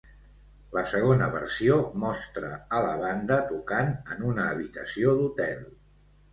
La segona versió mostra a la banda tocant en una habitació d'hotel.